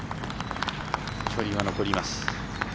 距離が残ります。